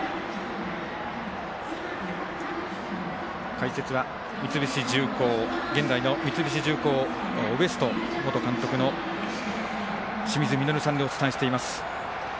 解説は、三菱重工現在の三菱重工Ｗｅｓｔ元監督の清水稔さんでお伝えしています。